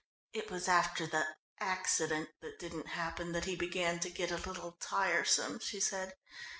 "It was after the 'accident' that didn't happen that he began to get a little tiresome," she said.